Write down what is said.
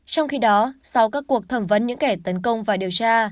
trong khi đó sau các cuộc thẩm vấn những kẻ tấn công và điều tra